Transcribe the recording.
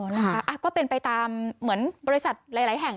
นะคะก็เป็นไปตามเหมือนบริษัทหลายแห่ง